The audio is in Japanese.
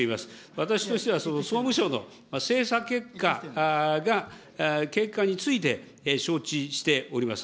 私としてはその総務省の精査結果が、結果について、承知しております。